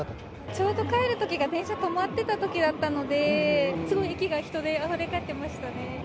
ちょうど帰るときが電車止まってたときだったので、すごい駅が人であふれ返ってましたね。